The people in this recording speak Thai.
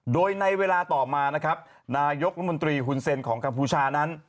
โดยในเวลาต่อมานะครับนายกรัฐมนตรีฮุนเซ็นของกัมพูชานั้น